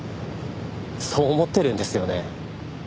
そう思ってるんですよね？